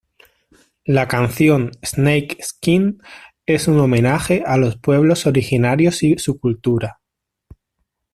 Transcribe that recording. La canción "Snake Skin" es un homenaje a los pueblos originarios y su cultura.